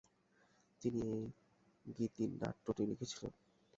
তিনি এই গীতিনাট্যটি লিখেছিলেন।